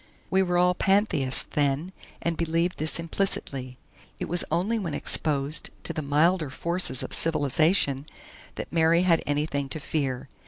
We were all Pantheists then and believed this implicitly. It was only when exposed to the milder forces of civilization that Mary had anything to fear.